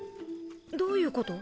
どういうこと？